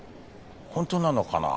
本当なのかな？